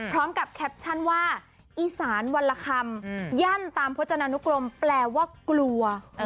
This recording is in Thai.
แคปชั่นว่าอีสานวันละคำยั่นตามพจนานุกรมแปลว่ากลัว